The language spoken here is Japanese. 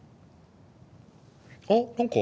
あっ何か。